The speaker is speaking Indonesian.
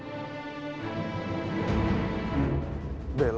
aku sudah berpikir